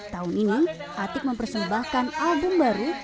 tahun ini atik mempersembahkan album baru